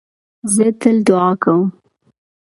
زه تل دؤعا کوم.